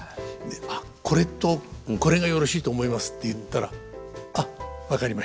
「あっこれとこれがよろしいと思います」って言ったら「あっ分かりました。